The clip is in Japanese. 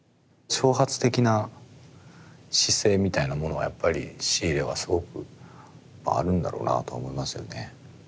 挑発的な姿勢みたいなものはやっぱりシーレはすごくやっぱあるんだろうなとは思いますよね。